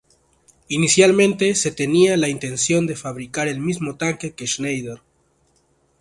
Inicialmente se tenía la intención de fabricar el mismo tanque que Schneider.